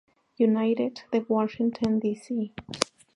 United de Washington D. C..